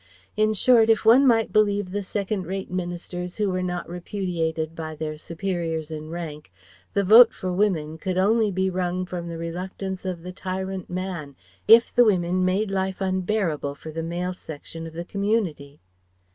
In short, if one might believe the second rate ministers who were not repudiated by their superiors in rank, the Vote for Women could only be wrung from the reluctance of the tyrant man, if the women made life unbearable for the male section of the community.